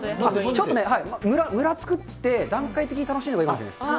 ちょっとね、むらを作って段階的に楽しんだほうがいいと思います。